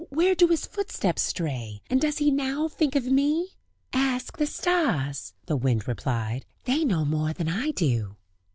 where do his footsteps stray? And does he now think of me?" "Ask the stars," the wind replied; "they know more than I do."